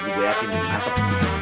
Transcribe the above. ini gue yakin ini mantep